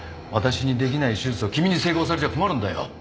私に出来ない手術を君に成功されちゃ困るんだよ。